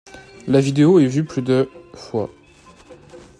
La vidéo est vue plus de fois.